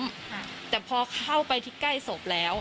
ได้ค่ะแล้วก็พยายามจะมาถามเขาใช่ค่ะ